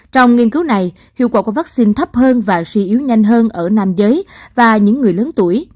trong nghiên cứu này hiệu quả của vaccine thấp hơn và suy yếu nhanh hơn ở nam giới và những người lớn tuổi